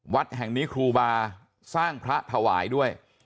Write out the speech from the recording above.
วัดแห่งนี้ครูบาสร้างพระถวายด้วย